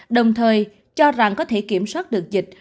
đồng thời cho rằng có thể kiểm soát được dịch